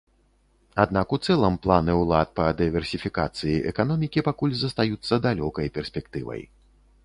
Аднак у цэлым планы ўлад па дыверсіфікацыі эканомікі пакуль застаюцца далёкай перспектывай.